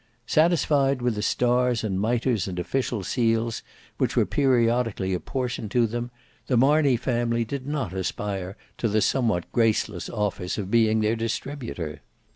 Satisfied with the stars and mitres and official seals, which were periodically apportioned to them, the Marney family did not aspire to the somewhat graceless office of being their distributor.